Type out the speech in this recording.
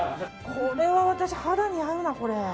これは私、肌に合うな。